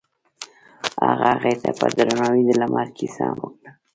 هغه هغې ته په درناوي د لمر کیسه هم وکړه.